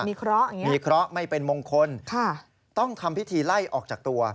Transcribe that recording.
มีเคราะห์ไม่เป็นมงคลต้องทำพิธีไล่ออกจากตัว